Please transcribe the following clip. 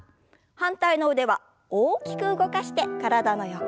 反対の腕は大きく動かして体の横。